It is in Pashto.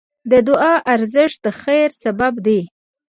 د دعا ارزښت د خیر سبب دی.